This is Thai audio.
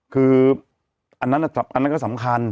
คืออันนั้นก็สำคัญ